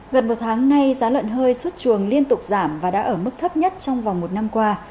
gần một tháng nay giá lợn hơi xuất chuồng liên tục giảm và đã ở mức thấp nhất trong vòng một năm qua